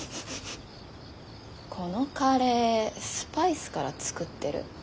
このカレースパイスから作ってる。